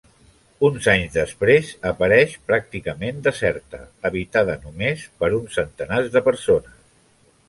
Uns anys després apareix pràcticament deserta, habitada només per uns centenars de persones.